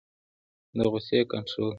د غصې کنټرول